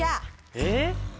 えっ？